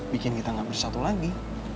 bikin kita gak bersatu lagi